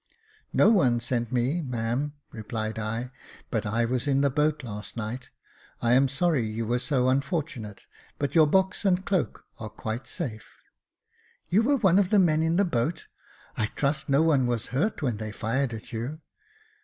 " No one sent me, ma'am," replied I, " but I was in the boat last night. I am sorry you were so unfortunate, but your box and cloak are quite safe." You were one of the men in the boat. I trust no one was hurt when they fired at you